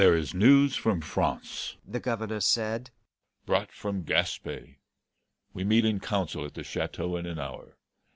"There is news from France," the Governor said, "brought from Gaspe. We meet in council at the Chateau in an hour.